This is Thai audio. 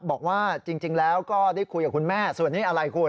บอกว่าจริงแล้วก็ได้คุยกับคุณแม่ส่วนนี้อะไรคุณ